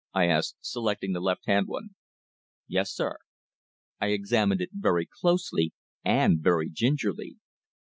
I asked, selecting the left hand one. "Yes, sir." I examined it closely and very gingerly.